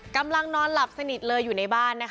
กำลังนอนหลับสนิทเลยอยู่ในบ้านนะคะ